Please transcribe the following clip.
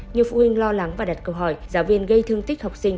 nhiều phụ huynh lo lắng và đặt câu hỏi giáo viên gây thương tích học sinh